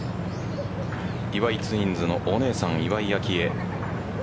岩井ツインズのお姉さん岩井明愛